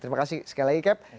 terima kasih sekali lagi cap